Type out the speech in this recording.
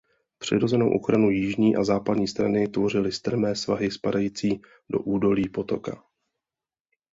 Přirozenou ochranu jižní a západní strany tvořily strmé svahy spadající do údolí potoka.